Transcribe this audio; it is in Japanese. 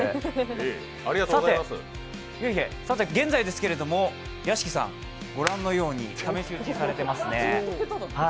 さて、現在ですけれども屋敷さん、御覧のように試し打ちされていますね。